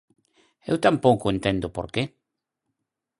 Eu tampouco entendo por que.